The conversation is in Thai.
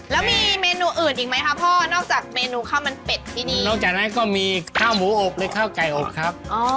แล้วมีเมนูอื่นอีกไหมคะพ่อนอกจากเมนูข้าวมันเป็ดที่นี่นอกจากนั้นก็มีข้าวหมูอบหรือข้าวไก่อบครับ